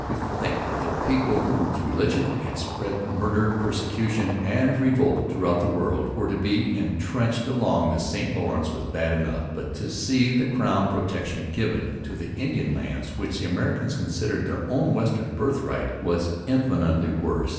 To think that people whose religion had spread 'murder, persecution, and revolt throughout the world' were to be entrenched along the St Lawrence was bad enough. But to see Crown protection given to the Indian lands which the Americans considered their own western 'birthright' was infinitely worse.